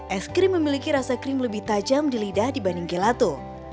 es krim memiliki rasa krim lebih tajam di lidah dibanding gelato